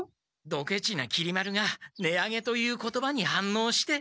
ドケチなきり丸が値上げという言葉にはんのうして。